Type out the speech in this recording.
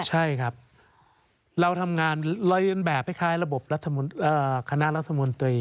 ใช่ครับเราทำงานแบบให้คล้ายระบบคณะรัฐมนตรี